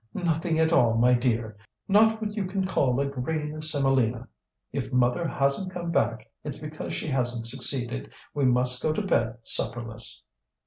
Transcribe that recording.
"Nothing at all, my dear. Not what you can call a grain of semolina. If mother hasn't come back, it's because she hasn't succeeded. We must go to bed supperless."